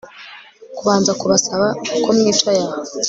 kubanza kubasaba uko mwicaye aha